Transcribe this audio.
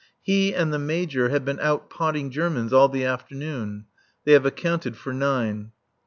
He and the Major have been out potting Germans all the afternoon. (They have accounted for nine.)